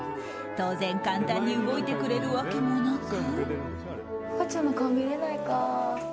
当然、簡単に動いてくれるわけもなく。